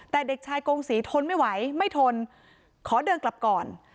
แต่เด็กชายกงศรีทนไม่ไหวไม่ทนขอเดินกลับก่อน